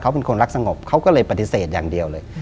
เขาเป็นคนรักสงบเขาก็เลยปฏิเสธอย่างเดียวเลย